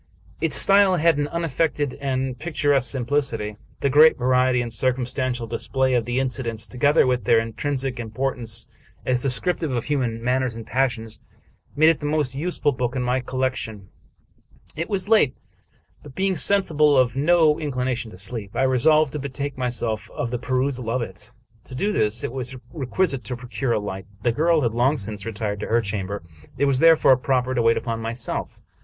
Its style had an unaffected and pictur esque simplicity. The great variety and circumstantial dis play of the incidents, together with their intrinsic importance as descriptive of human manners and passions, made it the most useful book in my collection. It was late : but, being 254 Charles Brockdcn Brown sensible of no inclination to sleep, I resolved to betake my self to the perusal of it. To do this, it was requisite to procure a light. The girl had long since retired to her chamber : it was therefore proper to wait upon myself.